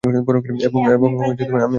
এবং আমি খুবই দুঃখিত।